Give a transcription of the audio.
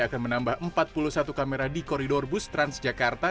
akan menambah empat puluh satu kamera di koridor bus transjakarta